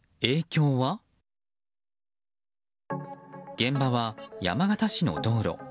現場は山形市の道路。